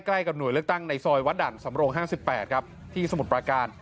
ใกล้กับหน่วยเลือกตั้งในซอยวัดด่านสำรง๕๘ครับที่สมุทรประการ